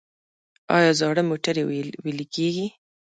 آیا زاړه موټرې ویلې کیږي؟